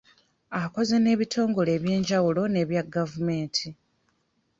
Akoze n'ebitongole eby'enjawulo n'ebya gavumenti.